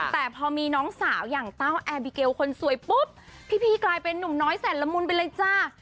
แต่พอมีน้องสาวอย่างเต้าแอร์บิเกลคนสวยปุ๊บพี่กลายเป็นนุ่มน้อยแสนละมุนไปเลยจ้า